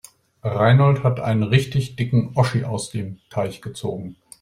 Reinhold hat einen richtig dicken Oschi aus dem Teich gezogen.